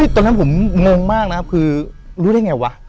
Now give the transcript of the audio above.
ตอนนั้นผมงงมากนะครับคือรู้ได้ไงวะ